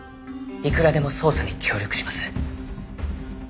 いくらでも捜査に協力します。